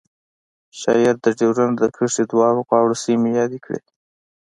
شاعر د ډیورنډ د کرښې دواړو غاړو سیمې یادې کړې